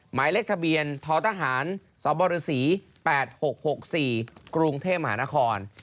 หมายเลขทะเบียนท้อทหารสบศ๘๖๖๔กรุงเทพมหานคร